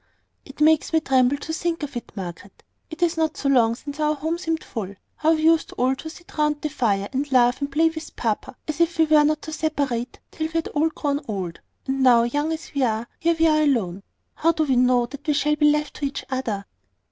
"It makes me tremble to think of it, Margaret. It is not so long since our home seemed full. How we used all to sit round the fire, and laugh and play with papa, as if we were not to separate till we had all grown old: and now, young as we are, here we are alone! How do we know that we shall be left to each other?"